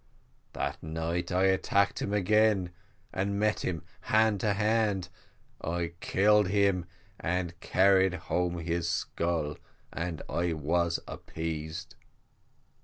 That night I attacked him again, and met him hand to hand; I killed him, and carried home his skull, and I was appeased.